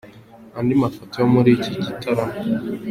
Andi mafoto yo muri iki gitaramo.